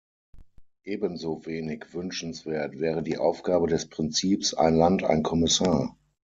Ebenso wenig wünschenswert wäre die Aufgabe des Prinzips "ein Land, ein Kommissar".